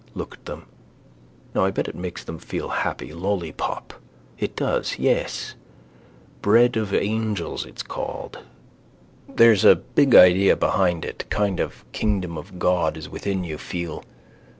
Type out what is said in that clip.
Look at them. Now I bet it makes them feel happy. Lollipop. It does. Yes, bread of angels it's called. There's a big idea behind it, kind of kingdom of God is within you feel.